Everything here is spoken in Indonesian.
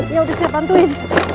ya udah saya bantuin